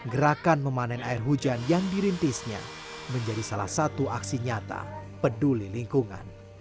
gerakan memanen air hujan yang dirintisnya menjadi salah satu aksi nyata peduli lingkungan